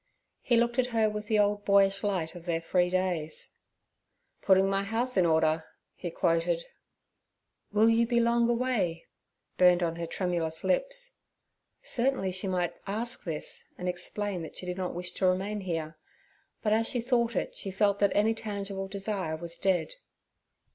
He looked at her with the old boyish light of their free days. 'Putting my house in order' he quoted. 'Will you be long away?' burned on her tremulous lips. Certainly she might ask this, and explain that she did not wish to remain here; but as she thought it she felt that any tangible desire was dead.